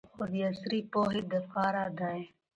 خو د عصري پوهې د پاره دې